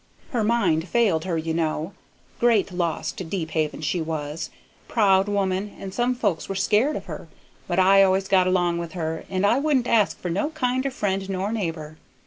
Her mind failed her, you know. Great loss to Deephaven, she was. Proud woman, and some folks were scared of her; but I always got along with her, and I wouldn't ask for no kinder friend nor neighbor.